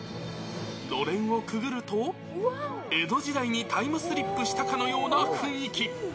のれんをくぐると、江戸時代にタイムスリップしたかのような雰囲気。